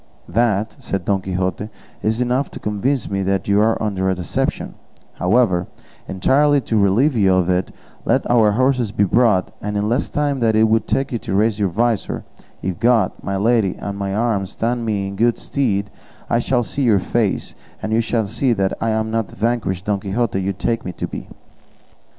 "That," said Don Quixote, "is enough to convince me that you are under a deception; however, entirely to relieve you of it, let our horses be brought, and in less time than it would take you to raise your visor, if God, my lady, and my arm stand me in good stead, I shall see your face, and you shall see that I am not the vanquished Don Quixote you take me to be."